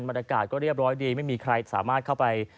บรรยากาศก็เรียบร้อยดีไม่มีใครสามารถเข้าไป